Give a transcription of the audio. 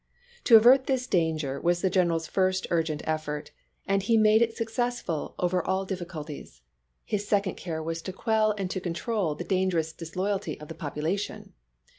XVI. To avert this danger was the general's first urgent effort, and he made it successful over all difficul ties. His second care was to quell and to control the dangerous disloyalty of the population.